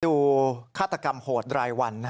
ฆาตกรรมโหดรายวัน